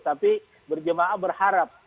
tapi berjemaah berharap